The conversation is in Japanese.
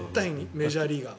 メジャーリーガーは。